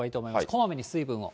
こまめに水分を。